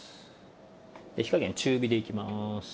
で火加減中火でいきます。